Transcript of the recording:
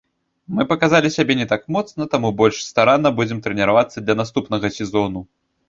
Мы паказалі сябе не так моцна, таму больш старанна будзем трэніравацца для наступнага сезону.